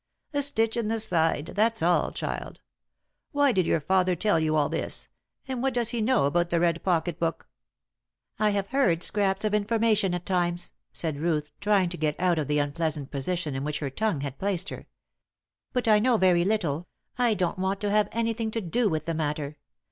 "A stitch in the side that's all, child! Why did your father tell you all this and what does he know about the red pocket book?" "I have heard scraps of information at times," said Ruth, trying to get out of the unpleasant position in which her tongue had placed her. "But I know very little; I don't want to have anything to do with the matter.